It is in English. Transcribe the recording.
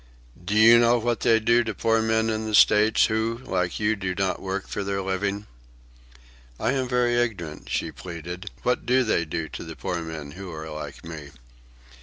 "Do you know what they do to poor men in the States, who, like you, do not work for their living?" "I am very ignorant," she pleaded. "What do they do to the poor men who are like me?"